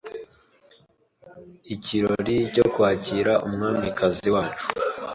ikirori cyo kwakira umwamikazi wacu